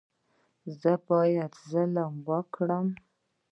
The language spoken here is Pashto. ایا زه باید ظلم وکړم؟